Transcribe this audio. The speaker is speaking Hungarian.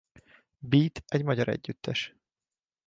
Beat egy magyar együttes.